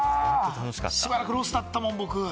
しばらくロスだったもん、僕。